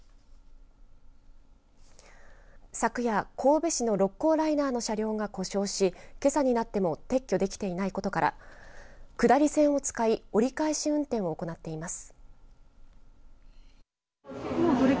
昨夜、神戸市の六甲ライナーの車両が故障しけさになっても撤去できていないことから下り線を使い折り返し運転を行っています。